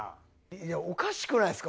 いやおかしくないですか？